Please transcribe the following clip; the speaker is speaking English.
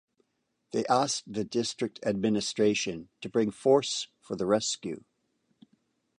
They asked the district administration to bring force for their rescue.